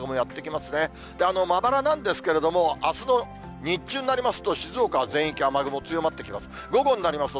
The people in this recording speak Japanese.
まばらなんですけれども、あすの日中になりますと、静岡は全域雨雲強まってきます。